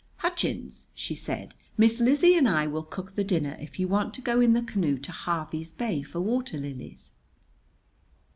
"Hutchins," she said, "Miss Lizzie and I will cook the dinner if you want to go in the canoe to Harvey's Bay for water lilies."